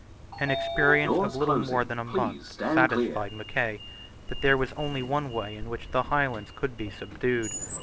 An experience of little more than a month satisfied Mackay that there was only one way in which the Highlands could be subdued.